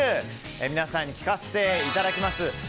皆さんに聞かせていただきます。